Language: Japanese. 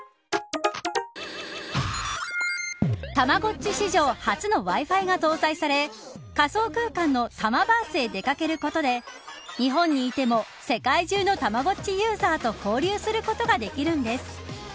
たまごっち史上初のＷｉ‐Ｆｉが搭載され仮想空間のタマバースへ出掛けることで日本にいても世界中のたまごっちユーザーと交流することができるんです。